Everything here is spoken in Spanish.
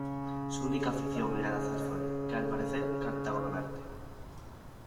Su única afición era la zarzuela, que al parecer cantaba con arte.